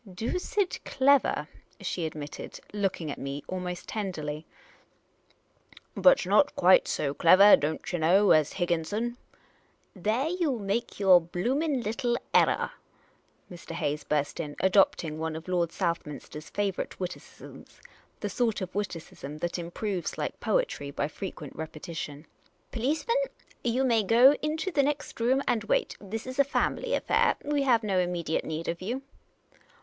"Doosid clever," she admitted, looking at me almost tenderly. " But not quite so clevah, don't yah know, as Higgin son !"" There you make your blooming little erraw," Mr. Hayes burst in, adopting one of Lord Southminster's favourite witiicisms— the sort of witticism that improves, The Unprofessional Detective 339 like poetry, by frequent repetition. " Policemen, you may go into the next room and wait ; this is a family aifair ; we have no immediate need of you."